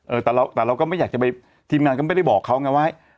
เออแต่เราแต่เราก็ไม่อยากจะไปทีมงานก็ไม่ได้บอกเขาไงว่า